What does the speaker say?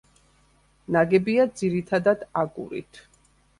ნაგებია ძირითადად აგურით.